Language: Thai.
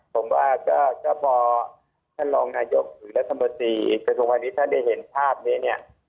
ผมว่าก็พอท่านรองนายกศึกรัฐบาทีอีกส่วนที่ท่านได้เห็นภาพนี้เนี่ย